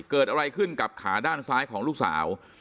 เกิดอะไรขึ้นกับขาด้านซ้ายของลูกสาว